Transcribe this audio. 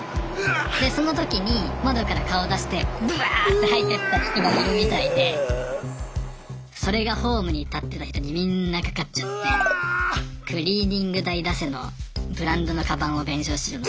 でその時に窓から顔出してブワーッて吐いてった人がいるみたいでそれがホームに立ってた人にみんなかかっちゃってクリーニング代出せのブランドのカバンを弁償しろの。